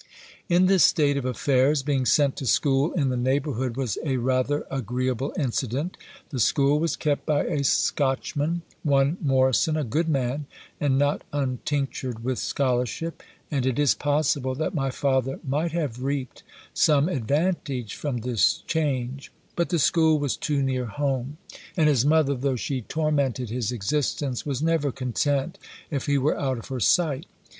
In this state of affairs, being sent to school in the neighbourhood, was a rather agreeable incident. The school was kept by a Scotchman, one Morison, a good man, and not untinctured with scholarship, and it is possible that my father might have reaped some advantage from this change; but the school was too near home, and his mother, though she tormented his existence, was never content if he were out of her sight.